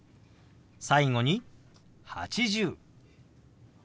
最後に「８０」。